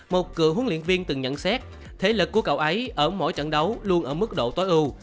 một cựu huấn luyện viên từng nhận xét thể lực của cậu ấy ở mỗi trận đấu luôn ở mức độ tối ưu